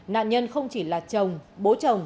nạn nhân không chỉ là chồng bố chồng